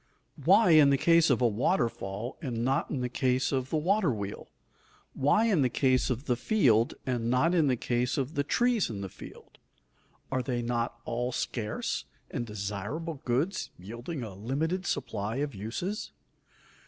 Why in the case of a waterfall and not in the case of the water wheel? Why in the case of the field and not in the case of the trees in the field? Are they not all scarce and desirable goods yielding a limited supply of uses?